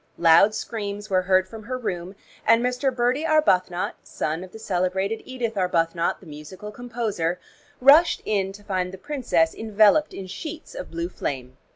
Loud screams were heard from her room, and Mr. Bertie Arbuthnot, son of the celebrated Edith Arbuthnot, the musical composer, rushed in to find the princess enveloped in sheets of blue flame.